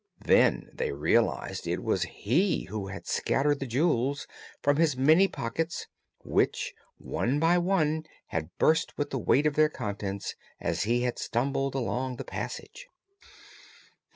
Then they realized it was he who had scattered the jewels, from his many pockets, which one by one had burst with the weight of their contents as he had stumbled along the passage.